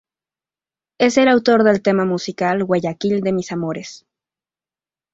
Es el autor del tema musical "Guayaquil de mis amores".